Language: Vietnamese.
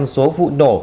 ba mươi số vụ nổ